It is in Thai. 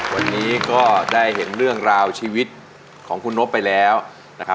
วันนี้ก็ได้เห็นเรื่องราวชีวิตของคุณนบไปแล้วนะครับ